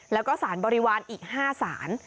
แล้วก็สารบริวารอีก๕สาร